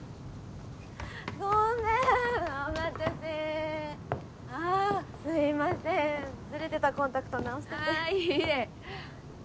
ごめんお待たせああすいませんずれてたコンタクト直しててああ